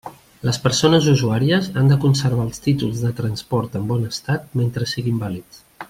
Les persones usuàries han de conservar els títols de transport en bon estat mentre siguin vàlids.